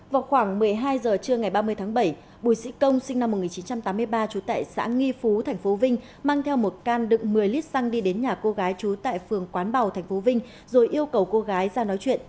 vào khoảng một mươi hai h trưa ngày ba mươi tháng bảy bùi sĩ công sinh năm một nghìn chín trăm tám mươi ba trú tại xã nghi phú tp vinh mang theo một can đựng một mươi lít xăng đi đến nhà cô gái trú tại phường quán bào tp vinh rồi yêu cầu cô gái ra nói chuyện